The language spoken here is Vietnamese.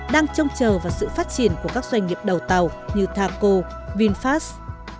đang trông chờ vào sự phát triển của các doanh nghiệp đầu tàu như taco vinfast